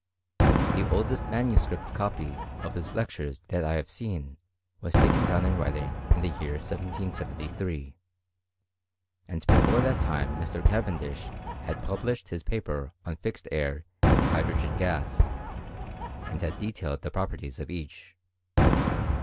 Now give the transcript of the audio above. The oldest manuscript copy of his lectures that I have seen was taken down in writing in the year 1773; and before that time Mr. Cavendish had published his: paper on fixed air and hydrogen gas, and had detailed the properties of each.